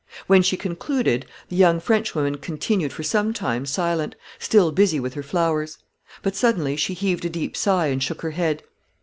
When she concluded, the young Frenchwoman continued for some time silent, still busy with her flowers. But, suddenly, she heaved a deep sigh, and shook her head.